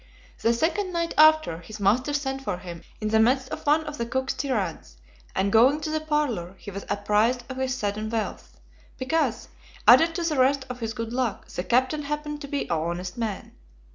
The second night after, his master sent for him in the midst of one of the cook's tirades, and going to the "parlour" he was apprised of his sudden wealth; because, added to the rest of his good luck, that captain happened to be an honest man.